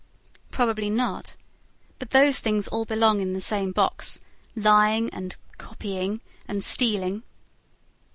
"Probably not. But those things all belong in the same box: lying, and 'copying', and stealing."